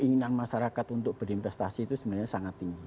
keinginan masyarakat untuk berinvestasi itu sebenarnya sangat tinggi